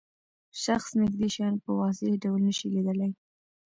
شخص نږدې شیان په واضح ډول نشي لیدلای.